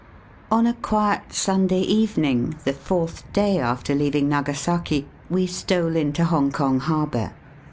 On a quiet Sunday evening, the fourth day after leaving Nagasaki, we stole into Hong kong harbour.